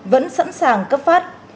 vẫn sẵn sàng cấp phát